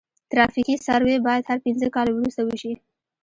ترافیکي سروې باید هر پنځه کاله وروسته وشي